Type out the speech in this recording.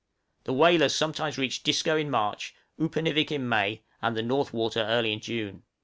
The whalers sometimes reach Disco in March, Upernivik in May, and the North Water early in June.